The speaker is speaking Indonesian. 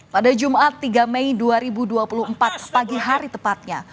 pada jumat tiga mei dua ribu dua puluh empat pagi hari tepatnya